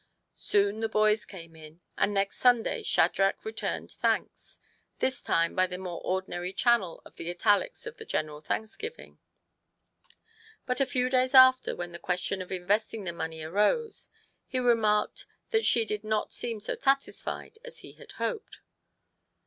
Soon the boys came in, and next Sunday Shadrach returned thanks this time by the more ordinary channel of the italics in the General Thanksgiving. But a few days after, when the question of investing the money arose, he remarked that she did not seem so satisfied as he had hoped.